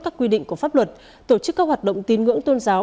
các quy định của pháp luật tổ chức các hoạt động tín ngưỡng tôn giáo